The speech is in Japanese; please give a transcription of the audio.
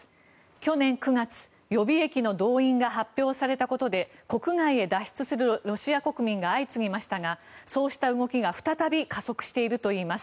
去年９月、予備役の動員が発表されたことで国外へ脱出するロシア国民が相次ぎましたがそうした動きが再び加速しているといいます。